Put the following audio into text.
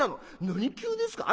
『何級ですか？』。